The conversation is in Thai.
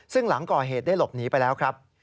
ซึ่งหลังก่อเหตุได้หลบหนีไปแล้วครับ